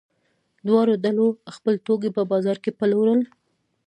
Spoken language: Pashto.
دواړو ډلو خپل توکي په بازار کې پلورل.